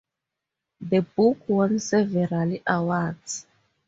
The book won several awards.